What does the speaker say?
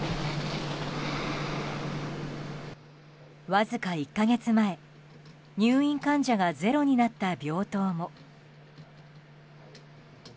わずか１か月前、入院患者がゼロになった病棟も。